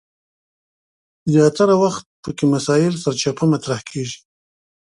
زیاتره وخت پکې مسایل سرچپه مطرح کیږي.